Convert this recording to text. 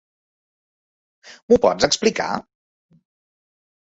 M'ho pots explicar?